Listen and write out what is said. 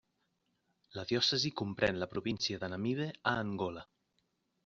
La diòcesi comprèn la província de Namibe a Angola.